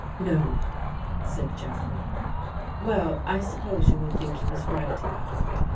"" No," said Jeffrey. Well, I suppose you will think he was right about It.